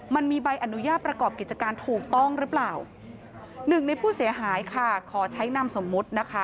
มันมีใบอนุญาตประกอบกิจการถูกต้องหรือเปล่าหนึ่งในผู้เสียหายค่ะขอใช้นามสมมุตินะคะ